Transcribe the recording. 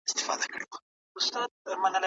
د میرویس نیکه زیارت چېرته دی؟